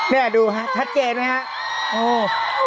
เนี่ยดูฮะชัดเกจไหมฮะ